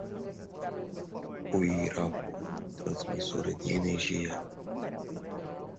Uirapuru Transmissora de Energia